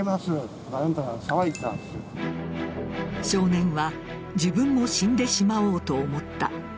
少年は自分も死んでしまおうと思った。